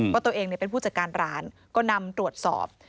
ว่าตัวเองเป็นผู้จัดการร้านก็นำตรวจสอบ